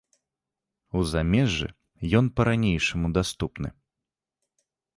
У замежжы ён па-ранейшаму даступны.